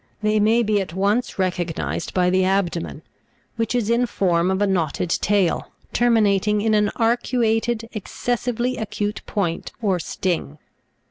They may be at once Fig. 58. SCORPION. recognised by the ab domen, which is in form of a knotted tail, terminating in an arcuated, excessively acute point or sting.